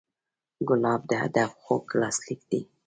ګلاب د ادب خوږ لاسلیک دی.